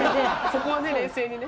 そこはね冷静にね。